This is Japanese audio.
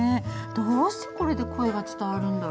どうしてこれで声が伝わるんだろう？